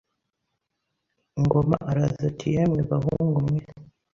Ngoma araza ati yemwe bahungu mwe